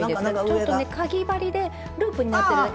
ちょっとねかぎ針でループになってる。